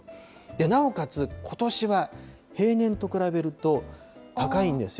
なおかつ、ことしは平年と比べると高いんですよ。